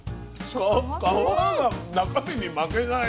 皮が中身に負けない。